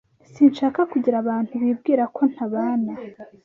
Sinshaka kugira abantu bibwira ko ntabana.